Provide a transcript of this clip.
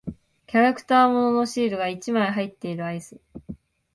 キャラクター物のシールが一枚入っているアイス。